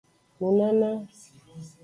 Nunana.